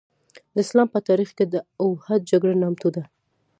د اسلام په تاریخ کې د اوحد جګړه نامتو ده.